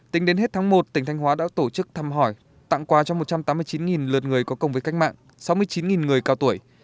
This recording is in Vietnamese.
tính đến hết tháng một tỉnh thanh hóa đã tổ chức thăm hỏi tặng quà cho một trăm tám mươi chín lượt người có công với cách mạng sáu mươi chín người cao tuổi